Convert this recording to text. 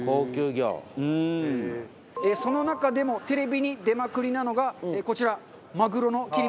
その中でもテレビに出まくりなのがこちらマグロの切り身。